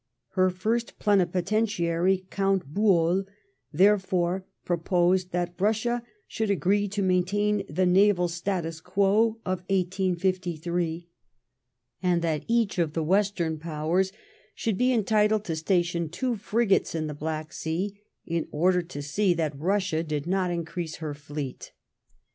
Her first Plenipotentiary, Count Buol, therefore proposed that Bussia should agree to maintain the naval status quo of 1853 ; and that each of the Western Powers should be entitled to station two frigates in the Black Sea, in order to see that Bussia did not increase her $eet.